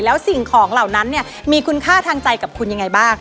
แล้วสิ่งของเหล่านั้นเนี่ยมีคุณค่าทางใจกับคุณยังไงบ้าง